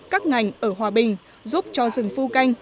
các ngành ở hòa bình giúp cho rừng phu canh